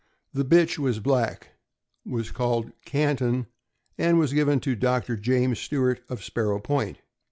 The bitch was black, was called Canton, and was given to Dr. James Stewart, of Sparrow Point.